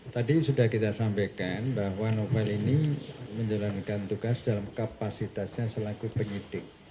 tadi sudah kita sampaikan bahwa novel ini menjalankan tugas dalam kapasitasnya selaku penyidik